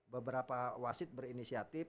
beberapa wasit berinisiatif